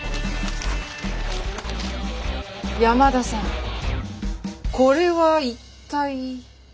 山田さんこれは一体。